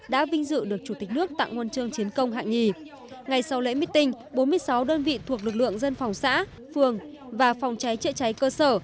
một trăm bốn mươi sáu đơn vị thuộc lực lượng dân phòng xã phường và phòng cháy trợ cháy cơ sở